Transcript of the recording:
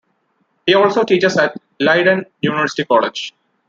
He also teaches at Leiden University College.